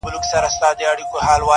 انارکلي اوښکي دي مه تویوه!